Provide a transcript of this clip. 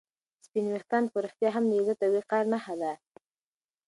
سپین ویښتان په رښتیا هم د عزت او وقار نښه ده.